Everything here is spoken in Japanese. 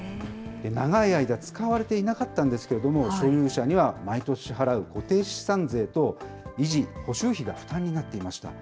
長い間、使われていなかったんですけれども、所有者には毎年払う固定資産税と、維持・補修費が負担になっていました。